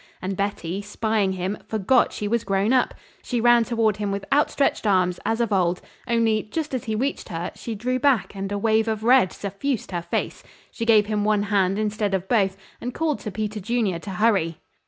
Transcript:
And Betty, spying him, forgot she was grown up. She ran toward him with outstretched arms, as of old only just as he reached her, she drew back and a wave of red suffused her face. She gave him one hand instead of both, and called to Peter Junior to hurry.